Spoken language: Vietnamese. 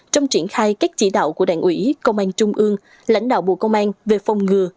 trong triển khai các chỉ đạo của đảng ủy công an trung ương lãnh đạo bộ công an về phòng ngừa